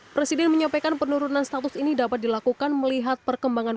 presiden menyampaikan penurunan status ini dapat dilakukan melihat perkembangan